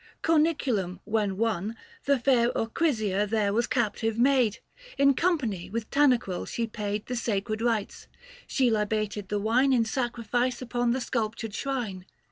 Corniculum when won, The fair Ocrisia there was captive made. 760 In company with Tanaquil she paid The sacred rites ; she libated the wine In sacrifice upon the sculptured shrine.